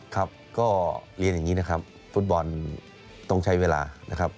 ครับก็เรียนอย่างนี้นะครับฟุตบอลต้องใช้เวลานะครับ